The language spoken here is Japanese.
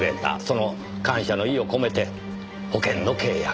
その感謝の意を込めて保険の契約をした。